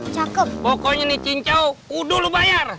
cokoknya ini cincow udah lu bayar